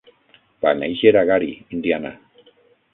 Va néixer a Gary, Indiana.